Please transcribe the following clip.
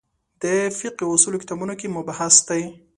د فقهې اصولو کتابونو کې مبحث دی.